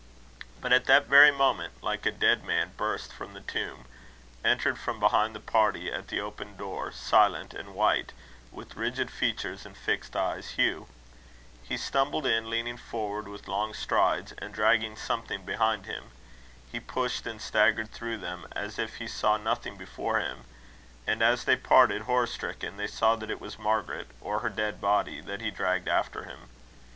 But at that very moment, like a dead man burst from the tomb, entered from behind the party at the open door, silent and white, with rigid features and fixed eyes, Hugh. He stumbled in, leaning forward with long strides, and dragging something behind him. He pushed and staggered through them as if he saw nothing before him; and as they parted horror stricken, they saw that it was Margaret, or her dead body, that he dragged after him.